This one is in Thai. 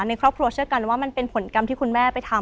ในครอบครัวเชื่อกันว่ามันเป็นผลกรรมที่คุณแม่ไปทำ